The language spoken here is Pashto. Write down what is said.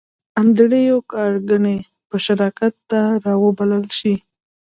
انډريو کارنګي به شراکت ته را وبللای شې؟